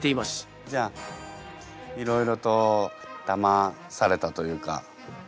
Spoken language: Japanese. じゃあいろいろとだまされたというか。